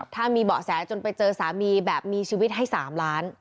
ถ้ามีเบาะแสจนไปเจอสามีแบบมีชีวิตให้๓ล้าน